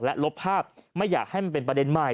และลบภาพไม่อยากให้มันเป็นประเด็นใหม่